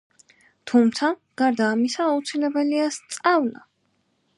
თუმცა, გარდა ამისა, აუცილებელია სწავლა.